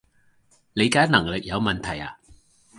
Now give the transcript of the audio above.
理解能力有問題呀？